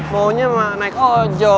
maunya emang naik ojo